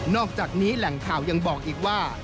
อกจากนี้แหล่งข่าวยังบอกอีกว่า